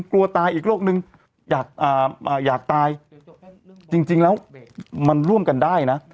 กลัวตายอีกโรคนึงอยากตายจริงแล้วมันร่วมกันได้นะ